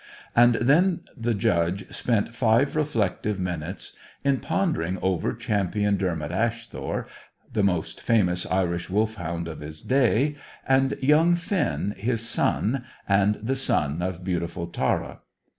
And then the Judge spent five reflective minutes in pondering over Champion Dermot Asthore, the most famous Irish Wolfhound of his day, and young Finn, his son, and the son of beautiful Tara.